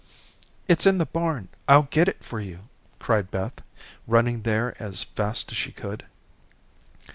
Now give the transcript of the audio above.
"It's in the barn, I'll get it for you," cried Beth, running there as fast as she could.